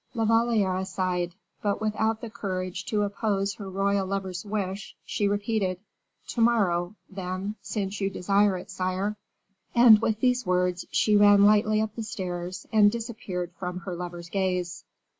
La Valliere sighed, but, without the courage to oppose her royal lover's wish, she repeated, "To morrow, then, since you desire it, sire," and with these words she ran lightly up the stairs, and disappeared from her lover's gaze.